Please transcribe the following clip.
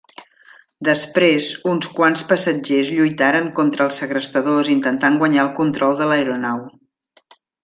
Després uns quants passatgers lluitaren contra els segrestadors intentant guanyar el control de l'aeronau.